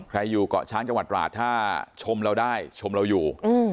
อยู่เกาะช้างจังหวัดตราดถ้าชมเราได้ชมเราอยู่